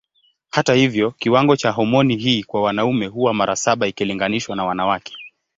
Hata hivyo kiwango cha homoni hii kwa wanaume huwa mara saba ikilinganishwa na wanawake.